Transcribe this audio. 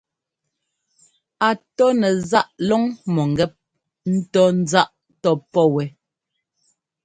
A tɔ́ nɛ záꞌ lɔ́ŋ-mɔ̂ŋgɛ́p ńtɔ́ ńzáꞌ tɔ́pɔ́ wɛ.